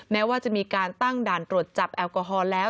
แม้ว่าจะมีการตั้งด่านตรวจจับแอลกอฮอลแล้ว